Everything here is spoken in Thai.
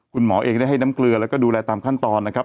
คุณหมอเองได้ให้น้ำเกลือแล้วก็ดูแลตามขั้นตอนนะครับ